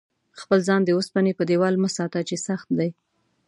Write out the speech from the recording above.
خپل ځان د اوسپنې په دېوال مه ساته چې سخت دی.